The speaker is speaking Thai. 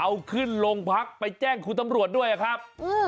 เอาขึ้นโรงพักไปแจ้งคุณตำรวจด้วยครับ